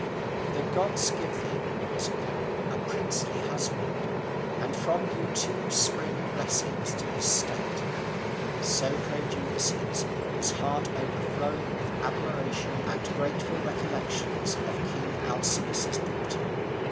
The gods give thee, Nausicaa, a princely husband; and from you two spring blessings to this state." So prayed Ulysses, his heart overflowing with admiration and grateful recollections of king Alcinous's daughter.